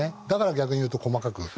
だから逆にいうと細かく。